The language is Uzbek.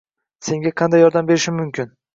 Senga qanday yordam berishim mumkin